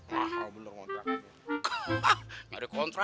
wah lo bener kontrakannya